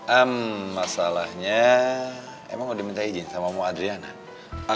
emm masalahnya emang udah minta izin sama mama adriana